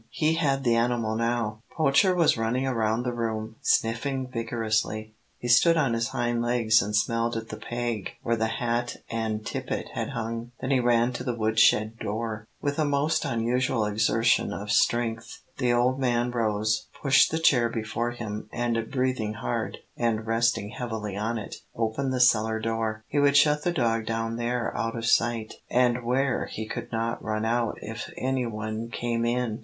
He had the animal now. Poacher was running around the room, sniffing vigorously. He stood on his hind legs and smelled at the peg where the hat and tippet had hung. Then he ran to the wood shed door. With a most unusual exertion of strength, the old man rose, pushed the chair before him, and breathing hard, and resting heavily on it, opened the cellar door. He would shut the dog down there out of sight, and where he could not run out if any one came in.